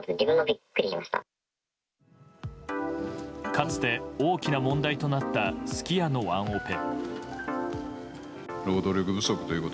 かつて大きな問題となったすき家のワンオペ。